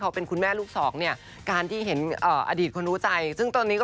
ขอให้เป็นในสิ่งดีแง่ดีสำหรับทุกคนนะคะ